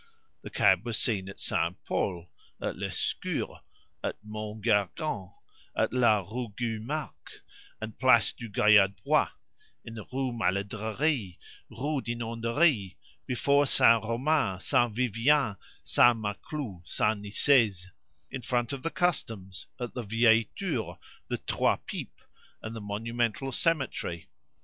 The cab was seen at Saint Pol, at Lescure, at Mont Gargan, at La Rougue Marc and Place du Gaillardbois; in the Rue Maladrerie, Rue Dinanderie, before Saint Romain, Saint Vivien, Saint Maclou, Saint Nicaise in front of the Customs, at the "Vieille Tour," the "Trois Pipes," and the Monumental Cemetery.